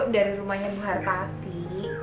dari rumahnya bu hartati